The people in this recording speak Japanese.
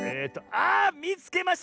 あみつけました！